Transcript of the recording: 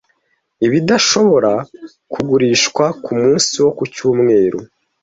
ibidashobora kugurishwa kumunsi wo ku cyumweru